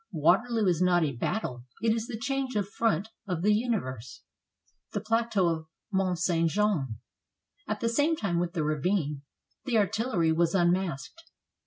Waterloo is not a battle; it is the change of front of the universe. THE PLATEAU OF MONT ST. JEAN At the same time with the ravine, the artillery was unmasked.